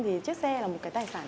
thì chiếc xe là một cái tài sản